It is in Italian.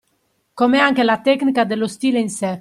Come anche la tecnica dello stile in sè